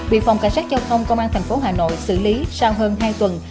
bị phòng cảnh sát giao thông công an tp hà nội xử lý sau hơn hai tuần